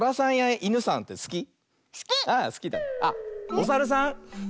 おさるさん